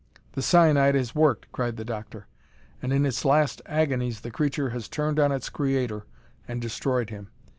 "The cyanide has worked," cried the doctor, "and in its last agonies the creature has turned on its creator and destroyed him.